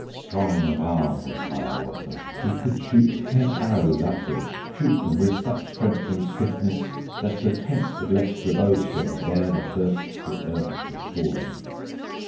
Strong of arm was Hiawatha; He could shoot ten arrows upward, Shoot them with such strength and swiftness, That the tenth had left the bow string Ere the first to earth had fallen!